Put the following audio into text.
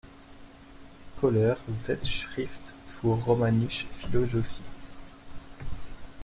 Kœhler (_Zeitschrift für romanische Philologie_, t.